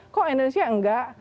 kok indonesia enggak